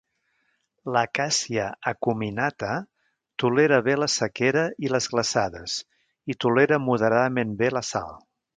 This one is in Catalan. L'"Acacia acuminata" tolera bé la sequera i les glaçades, i tolera moderadament bé la sal.